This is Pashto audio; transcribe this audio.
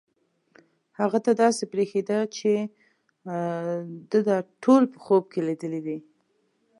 هغه ته داسې برېښېده چې ده دا ټول په خوب کې لیدلي دي.